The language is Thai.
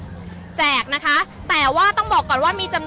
อาจจะออกมาใช้สิทธิ์กันแล้วก็จะอยู่ยาวถึงในข้ามคืนนี้เลยนะคะ